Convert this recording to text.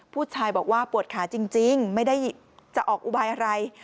ผู้ชายบอกว่าปวดขาจริงไม่ได้จะออกอุบายอะไร